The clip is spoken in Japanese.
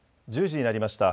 １０時になりました。